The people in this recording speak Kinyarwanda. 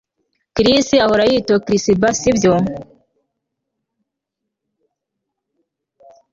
Chris ahora yitochrisba sibyo